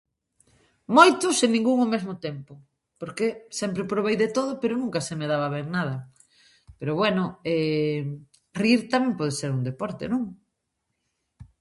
Moitos e ningún ao mesmo tempo porque sempre probei de todo, pero nunca se me daba ben nada, pero, bueno, rir tamén pode ser un deporte, non?